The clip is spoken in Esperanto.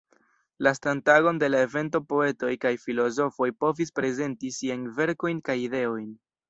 Lastan tagon de la evento poetoj kaj filozofoj povis prezenti siajn verkojn kaj ideojn.